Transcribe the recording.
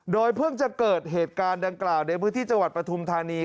เพิ่งจะเกิดเหตุการณ์ดังกล่าวในพื้นที่จังหวัดปฐุมธานี